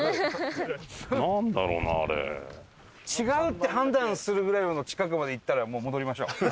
違うって判断するぐらい近くまで行ったら戻りましょう。